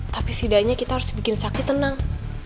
tapi setidaknya kita harus bikin sakit tenang